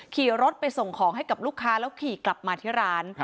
ขี่รถไปส่งของให้กับลูกค้าแล้วขี่กลับมาที่ร้าน